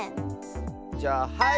じゃあはい！